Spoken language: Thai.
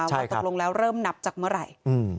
ว่าตกลงแล้วเริ่มนับจากเมื่อไหร่